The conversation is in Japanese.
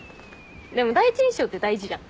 でも第一印象って大事じゃん。